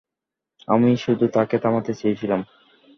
আমি শুধু তাকে থামাতে চেয়েছিলাম।